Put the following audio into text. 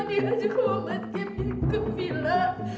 asma di ajak rumah kevin ke villa